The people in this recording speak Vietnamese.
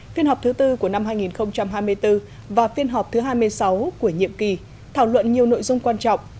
phiên họp thứ tư của năm hai nghìn hai mươi bốn và phiên họp thứ hai mươi sáu của nhiệm kỳ thảo luận nhiều nội dung quan trọng